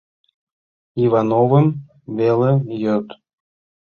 Ивановым веле йод.